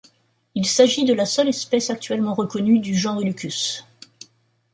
Il s'agit de la seule espèce actuellement reconnue du genre Ullucus.